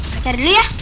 kita cari dulu ya